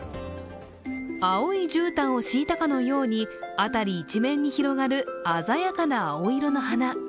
青いじゅうたんを敷いたかのように辺り一面に広がる鮮やかな青色の花。